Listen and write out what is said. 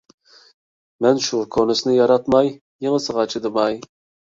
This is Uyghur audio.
مەن شۇ كونىسىنى ياراتماي، يېڭىسىغا چىدىماي. ..